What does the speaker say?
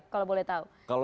kalau boleh tahu